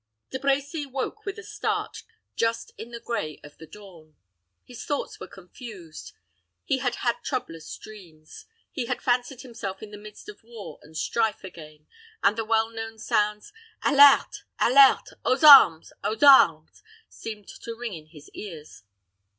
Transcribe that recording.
De Brecy woke with a start just in the gray of the dawn. His thoughts were confused. He had had troublous dreams. He had fancied himself in the midst of war and strife again, and the well known sounds, "Alerte! alerte! Aux armes! aux armes!" seemed to ring in his ears.